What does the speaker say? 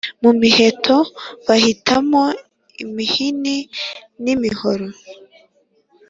mu miheto bahitamo imihini n’imihoro